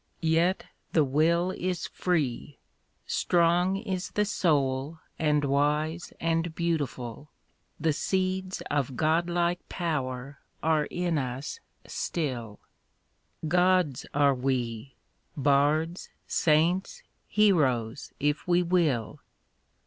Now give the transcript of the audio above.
Yet the will is free ; Strong is the soul, and wise and beautiful : The seeds of godlike power are in us still : Gods are we, bards, saints, heroes if we will